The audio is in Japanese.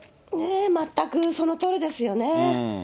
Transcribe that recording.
全くそのとおりですよね。